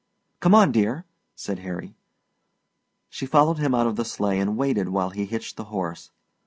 "Come on, dear," said Harry. She followed him out of the sleigh and waited while he hitched the horse.